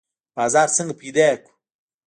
بازار څنګه پیدا کړو؟